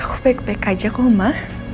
aku baik baik aja kok ma